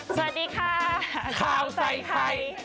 สวัสดีค่ะข้าวใส่ไข่